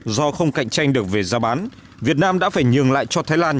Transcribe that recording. do không cạnh tranh được về giá bán việt nam đã phải nhường lại cho thái lan